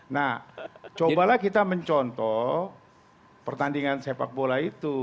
nah cobalah kita mencontoh pertandingan sepak bola itu